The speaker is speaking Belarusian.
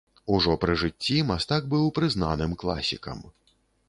Ужо пры жыцці мастак быў прызнаным класікам.